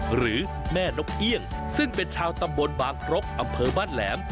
หรือแม่นกเอี่ยงซึ่งเป็นชาวตำบลบางครกอำเภอบ้านแหลม